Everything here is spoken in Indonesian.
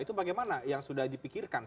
itu bagaimana yang sudah dipikirkan